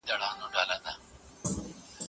تفسیر او شننه پراخه پوهه او تجربه غواړي.